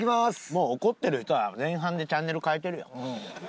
もう怒ってる人は前半でチャンネル変えてるよ。